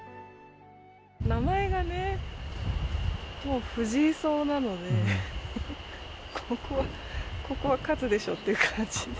名前がね、もう藤井荘なので、ここは勝つでしょっていう感じで。